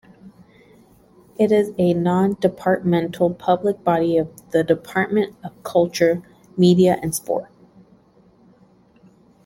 It is a non-departmental public body of the Department of Culture, Media and Sport.